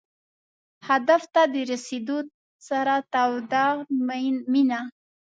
هدف ته د رسېدو سره توده مینه.